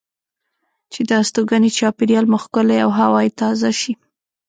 چې د استوګنې چاپیریال مو ښکلی او هوا یې تازه شي.